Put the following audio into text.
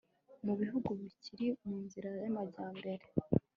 mu bihugu bikiri mu nzira y'amajyambere